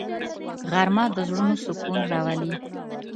غرمه د زړونو سکون راولي